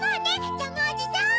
ジャムおじさん！